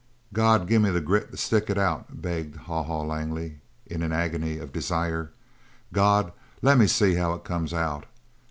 "God gimme the grit to stick it out," begged Haw Haw Langley in an agony of desire. "God lemme see how it comes out.